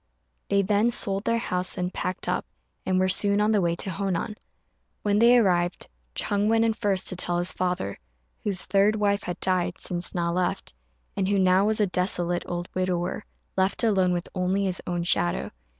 They then sold their house and packed up, and were soon on the way to Honan. When they arrived, Ch'êng went in first to tell his father, whose third wife had died since Na left, and who now was a desolate old widower, left alone with only his own shadow.